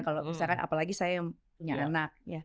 kalau misalkan apalagi saya yang punya anak